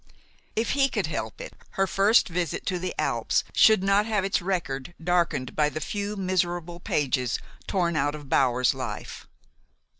If he could help it, her first visit to the Alps should not have its record darkened by the few miserable pages torn out of Bower's life.